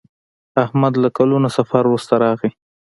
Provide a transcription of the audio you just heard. احمد له کلونو سفر وروسته راغی.